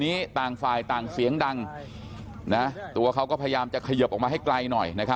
นี้ต่างฝ่ายต่างเสียงดังตัวเขาก็พยายามจะเขยิบออกมาให้ไกลหน่อย